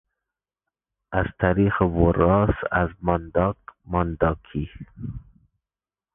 از طریق وراثت، از مانداک، مانداکی